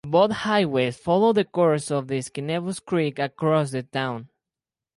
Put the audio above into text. Both highways follow the course of Schenevus Creek across the town.